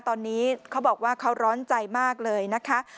ตอนนี้เขาบอกว่าเขาร้อนใจมากเลยนะคะ